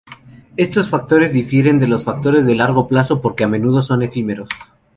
Estos factores difieren de los factores de largo plazo porque a menudo son efímeros.